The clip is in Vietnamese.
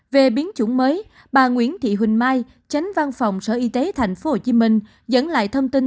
về biến chủng mới bà nguyễn thị huỳnh mai chánh văn phòng sở y tế tp hcm dẫn lại thông tin